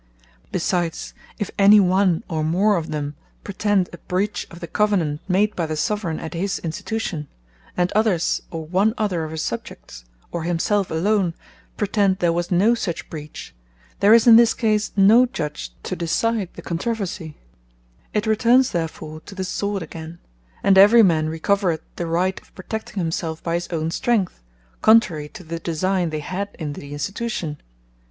Besides, if any one, or more of them, pretend a breach of the Covenant made by the Soveraigne at his Institution; and others, or one other of his Subjects, or himselfe alone, pretend there was no such breach, there is in this case, no Judge to decide the controversie: it returns therefore to the Sword again; and every man recovereth the right of Protecting himselfe by his own strength, contrary to the designe they had in the Institution.